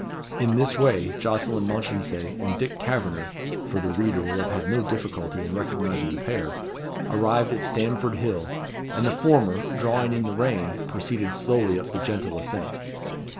In this way, Jocelyn Mounchensey and Dick Taverner (for the reader will have had no difficulty in recognising the pair) arrived at Stamford Hill; and the former, drawing in the rein, proceeded slowly up the gentle ascent.